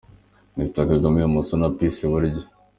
Mr Kagame i Bumoso na Peace i Buryo.